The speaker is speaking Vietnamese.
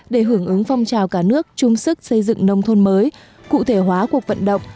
để hưởng ứng phong trào cả nước chung sức xây dựng nông thôn mới cụ thể hóa cuộc vận động